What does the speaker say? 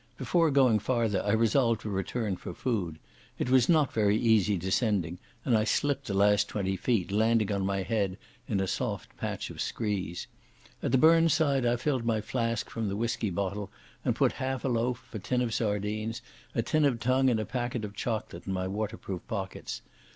Before going farther I resolved to return for food. It was not very easy descending, and I slipped the last twenty feet, landing on my head in a soft patch of screes. At the burnside I filled my flask from the whisky bottle, and put half a loaf, a tin of sardines, a tin of tongue, and a packet of chocolate in my waterproof pockets.